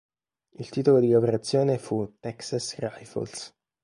Il titolo di lavorazione fu "Texas Rifles".